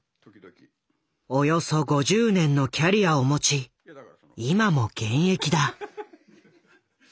およそ５０年のキャリアを持ち今も現役だ。